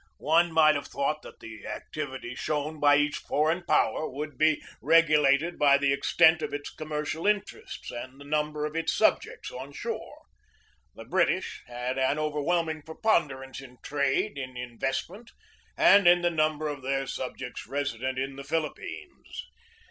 One might have thought that the activity shown by each foreign power would be regulated by the ex tent of its commercial interests and the number of its subjects on shore. The British had an overwhelm ing preponderance in trade, in investment, and in the number of their subjects resident in the Philip pines.